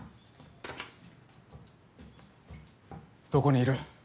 どこにいる？